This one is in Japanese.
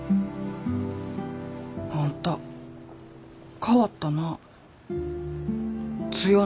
あんた変わったなあ。